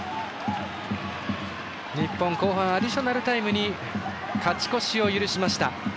日本、後半アディショナルタイムに勝ち越しを許しました。